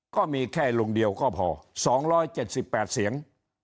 ก็มีแค่ลุงเดียวก็พอสองร้อยเจ็ดสิบแปดเสียง